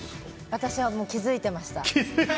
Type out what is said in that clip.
私は気づいてました。